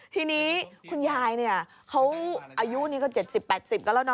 ทีนี้คุณยายเขาอายุ๗๐๘๐ก็แล้วนะ